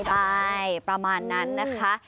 ใช่ประมาณนั้นนะคะ